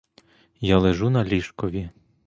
Я лежу на ліжкові.